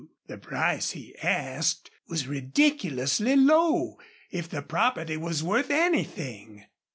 The price he asked was ridiculously low if the property was worth anything.